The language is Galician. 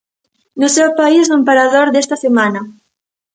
No seu país o emperador desta semana.